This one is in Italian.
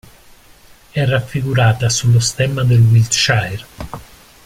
È raffigurata sullo stemma del Wiltshire.